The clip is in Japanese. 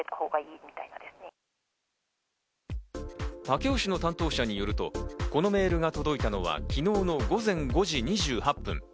武雄市の担当者によると、このメールが届いたのは、昨日の午前５時２８分。